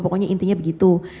pokoknya intinya begitu